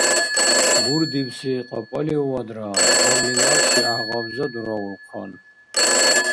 Бурдибси кьапӀалиувадра гьарли-марси гӀяхӀгъабза дураулхъан.